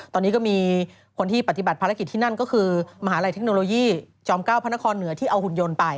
ตอนนี้ก็มีคนที่ปฏิบัติภารกิจที่นั่นก็คือมหาลัยเทคโนโลยีจอม๙พระนครเหนือที่เอาหุ่นยนต์ไป